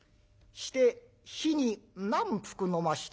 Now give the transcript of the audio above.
して日に何服のました？